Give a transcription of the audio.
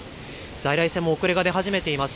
在来線も遅れが出始めています。